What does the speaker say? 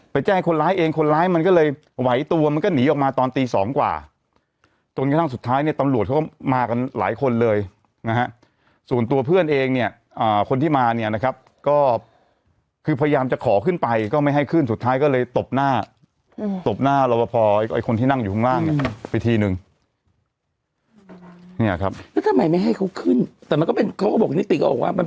แจ้งคนร้ายเองคนร้ายมันก็เลยไหวตัวมันก็หนีออกมาตอนตีสองกว่าจนกระทั่งสุดท้ายเนี่ยตำรวจเขาก็มากันหลายคนเลยนะฮะส่วนตัวเพื่อนเองเนี่ยคนที่มาเนี่ยนะครับก็คือพยายามจะขอขึ้นไปก็ไม่ให้ขึ้นสุดท้ายก็เลยตบหน้าตบหน้ารบพอไอ้คนที่นั่งอยู่ข้างล่างเนี่ยไปทีนึงเนี่ยครับแล้วทำไมไม่ให้เขาขึ้นแต่มันก็เป็นเขาก็บอกนิติก็บอกว่ามัน